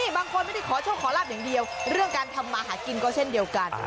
บางคนไม่ได้ขอโชคขอลาบอย่างเดียวเรื่องการทำมาหากินก็เช่นเดียวกัน